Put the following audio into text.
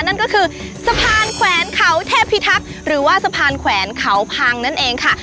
นั่นก็คือสะพานแขวนเขาเทพิทักษ์หรือว่าสะพานแขวนเขาพังนั่นเองค่ะ